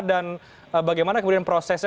dan bagaimana kemudian prosesnya